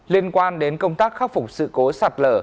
liên quan đến công tác khắc phục sự cố sạt lở